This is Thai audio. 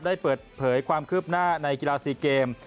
ได้เปิดเผยความคืบหน้าในกีฬา๔เกม